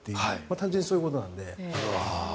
単純にそういうことなので。